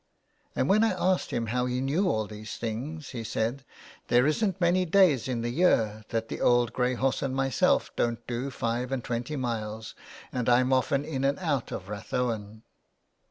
And when I asked him how he knew all these things, he said, " There isn't many days in the year that the old grey horse and myself don't do five and twenty miles, and I'm often in and out of Rath owen."